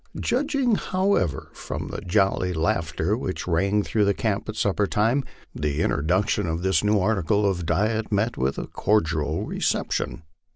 Judging, however, from the jolly laughter which rang through camp at supper time, the introduction of this new article of diet met with a cordial reception.